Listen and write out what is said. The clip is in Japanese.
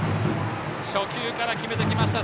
初球から決めてきました。